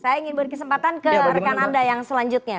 saya ingin beri kesempatan ke rekan anda yang selanjutnya